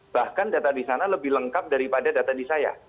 bahkan data di sana lebih lengkap daripada data di saya